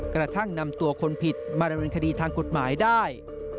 กระทั่งนำตัวคนผิดมาดำเนินคดีทางกฎหมายได้